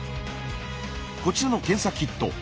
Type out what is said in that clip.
こちらの検査キット。